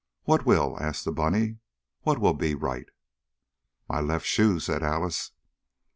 "What will?" asked the bunny. "What will be right?" "My left shoe," said Alice.